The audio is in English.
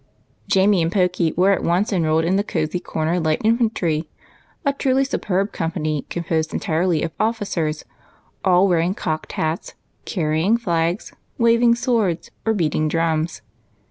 Jamie and Pokey were at once enrolled in the Cosey Corner Liglit Infantry, — a truly superb com pany, composed entirely of officers, all wearing cocked hats, carrying flags, waving swords, or beating drums.